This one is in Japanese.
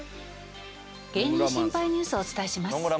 「芸人シンパイニュース」をお伝えします。